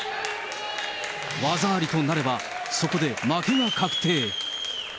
技ありとなれば、そこで負けが確定。